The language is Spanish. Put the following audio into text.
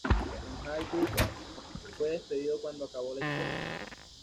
Sonjay Dutt fue despedido cuando acabó la historia.